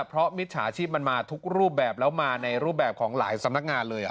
เพราะมิจฉาชีพมันมาทุกรูปแบบแล้วมาในรูปแบบของหลายสำนักงานเลย